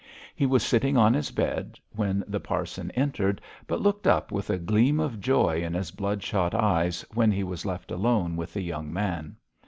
He was sitting on his bed when the parson entered, but looked up with a gleam of joy in his blood shot eyes when he was left alone with the young man.